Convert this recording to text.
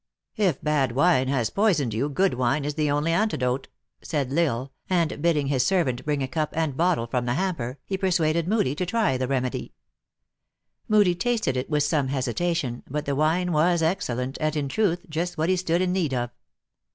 " If bad wine has poisoned you, good wine is the only antidote," said L Isle, and bidding his servant bring a cup and bottle from the hamper, he persuad ed Moodie to try the remedy. Moodie tasted it with some hesitation, but the wine was excellent, and in truth, just what he stood in need of.